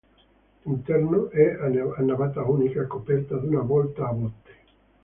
L'interno è a navata unica coperta da una volta a botte.